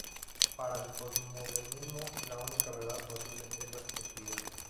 Para el posmodernismo la única verdad posible es la subjetividad.